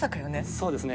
そうですね。